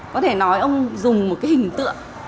có thể nói ông dùng một cái hình tượng